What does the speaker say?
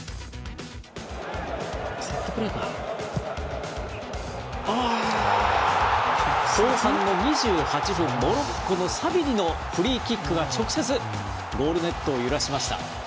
後半の２８分モロッコのサビリのフリーキックが直接ゴールネットを揺らしました。